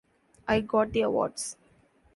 I got the awards.